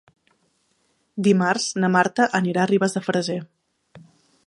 Dimarts na Marta anirà a Ribes de Freser.